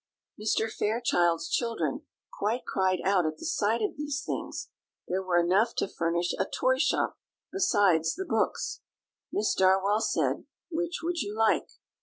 Mr. Fairchild's children quite cried out at the sight of these things; there were enough to furnish a toy shop, besides the books. Miss Darwell said, "Which would you like?"